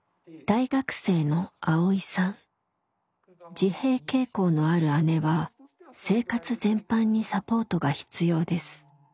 自閉傾向のある姉は生活全般にサポートが必要です。